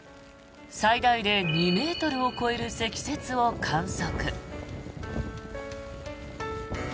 最大で２ｍを超える積雪を観測。